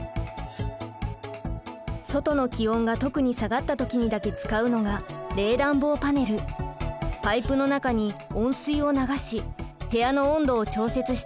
外の気温が特に下がった時にだけ使うのがパイプの中に温水を流し部屋の温度を調節して寒さをしのぎます。